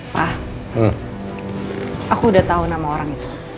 wah aku udah tahu nama orang itu